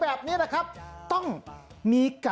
สวัสดีค่ะต่างทุกคน